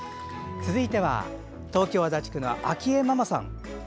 続いては東京・足立区のあきえママさん。